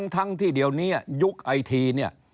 ทั้งที่เดียวนี้ยุคไอที